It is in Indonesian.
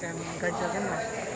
dan mengajarkan masyarakat